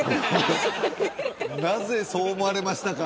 なぜそう思われましたか？